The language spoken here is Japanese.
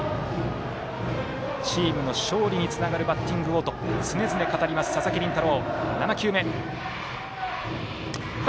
チームの勝利につながるバッティングをと常々、語ります、佐々木麟太郎。